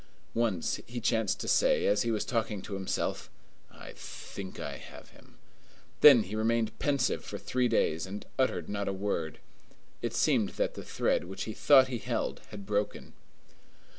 Once he chanced to say, as he was talking to himself, "I think I have him!" Then he remained pensive for three days, and uttered not a word. It seemed that the thread which he thought he held had broken.